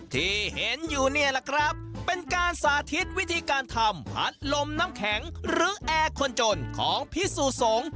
ที่เห็นอยู่นี่แหละครับเป็นการสาธิตวิธีการทำพัดลมน้ำแข็งหรือแอร์คนจนของพิสุสงฆ์